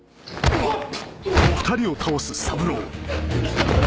うわっ！